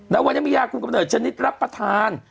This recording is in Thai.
แล้ววันนี้มียาคุมกำเนิดชนิดรับประทาน